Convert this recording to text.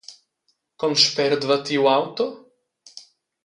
Con spert va tiu auto?